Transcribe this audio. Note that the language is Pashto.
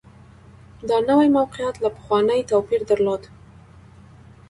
دا نوي موقعیت له پخواني توپیر درلود